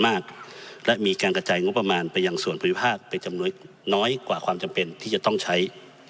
มากและมีการกระจายงบประมาณไปยังส่วนภูมิภาคเป็นจำนวนน้อยกว่าความจำเป็นที่จะต้องใช้